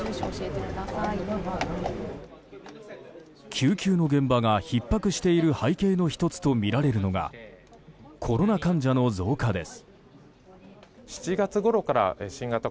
救急の現場がひっ迫している背景の１つとみられるのがコロナ患者の増加です。